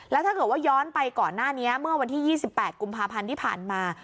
แล้วถ้าเกิดว่าย้อนไปก่อนหน้านี้เมื่อวันที่๒๘กุมภาพันธ์ที่ผ่านมา